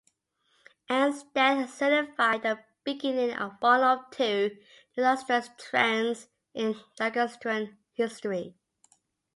Anne's death signified the beginning of one of two disastrous trends in Lancastrian history.